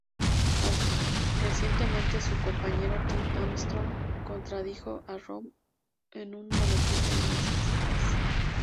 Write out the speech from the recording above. Aunque recientemente su compañero Tim Armstrong, contradijo a Rob en un boletín de MySpace.